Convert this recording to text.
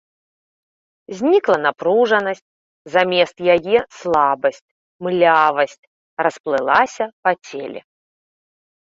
Знікла напружанасць, замест яе слабасць, млявасць расплылася па целе.